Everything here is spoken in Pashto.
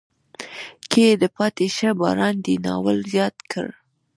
کې یې د پاتې شه باران دی ناول زیات کړ.